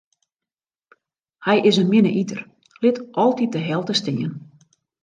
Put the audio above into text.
Hy is in minne iter, lit altyd de helte stean.